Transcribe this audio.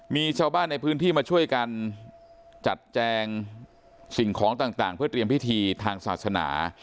มีชาวบ้านในพื้นที่มาช่วยกันจัดแจงสิ่งของต่างเพื่อเตรียมพิธีทางศาสนา